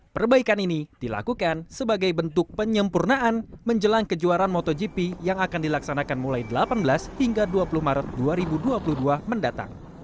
perbaikan ini dilakukan sebagai bentuk penyempurnaan menjelang kejuaraan motogp yang akan dilaksanakan mulai delapan belas hingga dua puluh maret dua ribu dua puluh dua mendatang